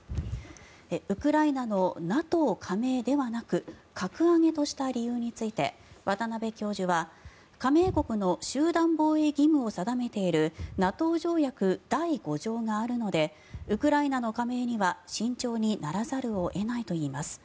ウクライナのＮＡＴＯ加盟ではなく格上げとした理由について渡邊教授は加盟国の集団防衛義務を定めているＮＡＴＯ条約第５条があるのでウクライナの加盟には慎重にならざるを得ないといいます。